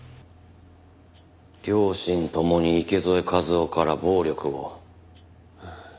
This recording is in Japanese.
両親共に池添一雄から暴力を。